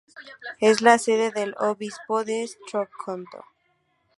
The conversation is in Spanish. Es la sede del obispo de Stockton.